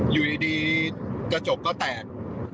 อยู่ดีกระจกก็แตก